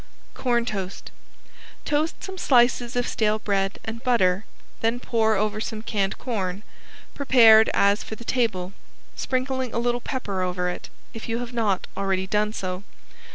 ~CORN TOAST~ Toast some slices of stale bread and butter, then pour over some canned corn, prepared as for the table, sprinkling a little pepper over it. If you have not already done so.